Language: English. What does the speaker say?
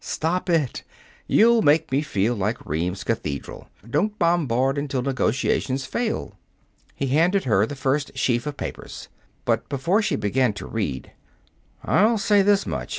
"Stop it! You make me feel like Rheims cathedral. Don't bombard until negotiations fail." He handed her the first sheaf of papers. But, before she began to read: "I'll say this much.